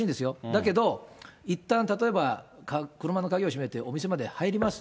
だけど、いったん、例えば、車の鍵を閉めてお店まで入ります。